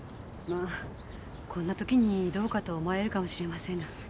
まあこんな時にどうかと思われるかもしれませんが。